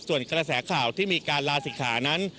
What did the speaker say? ส่วนกระแสข่าวที่มีการลาศิกขานั้น